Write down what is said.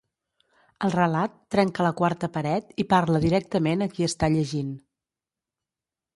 El relat trenca la quarta paret i parla directament a qui està llegint.